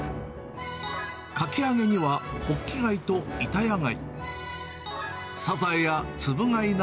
かき揚げにはホッキ貝とイタヤ貝。